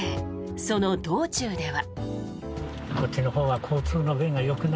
その道中では。